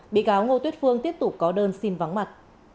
bị cáo ngô tuyết phương tiếp tục có đơn xin vắng mặt